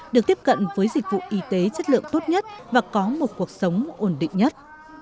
được tiếp cận với dịch vụ y tế chất lượng tốt nhất và có một cuộc sống ổn định nhất